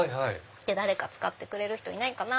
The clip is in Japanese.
誰か使ってくれる人いないかな？